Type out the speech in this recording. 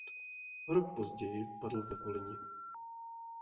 O rok později padl ve Volyni.